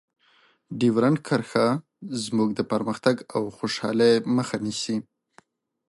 ډیورنډ کرښه زموږ د پرمختګ او خوشحالۍ مخه نیسي.